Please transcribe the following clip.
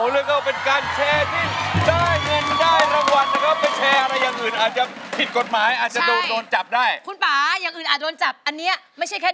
ร้องได้ให้ร้าน